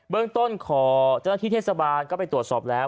เรื่องต้นขอเจ้าหน้าที่เทศบาลก็ไปตรวจสอบแล้ว